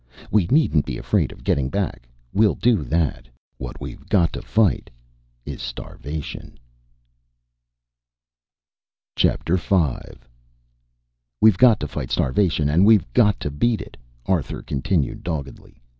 We needn't be afraid of not getting back. We'll do that. What we've got to fight is starvation!" V. "We've got to fight starvation, and we've got to beat it," Arthur continued doggedly.